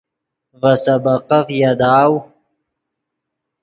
ڤے سبقف یاداؤ